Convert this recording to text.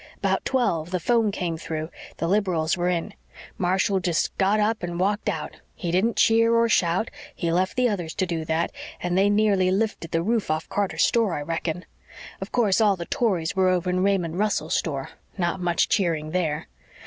About twelve the 'phone came through the Liberals were in. Marshall just got up and walked out he didn't cheer or shout he left the others to do that, and they nearly lifted the roof off Carter's store, I reckon. Of course, all the Tories were over in Raymond Russell's store. Not much cheering THERE.